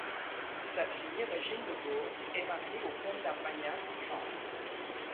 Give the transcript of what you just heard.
Sa fille Régine de Goth est mariée au comte d'Armagnac Jean.